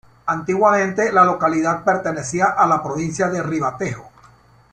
Antiguamente la localidad pertenecía a la provincia de Ribatejo.